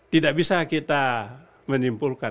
tidak bisa kita menyimpulkan